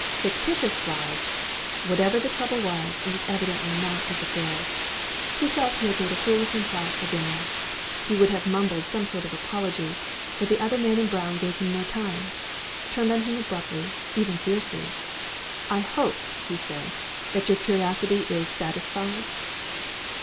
Fictitious flies! Whatever the trouble was, it was evidently not his affair. He felt he had made a fool of himself again. He would have mumbled some sort of apology; but the other man in brown gave him no time, turned on him abruptly, even fiercely. "I hope," he said, "that your curiosity is satisfied?"